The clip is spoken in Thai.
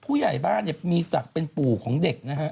ผู้ใหญ่บ้านมีศักดิ์เป็นปู่ของเด็ก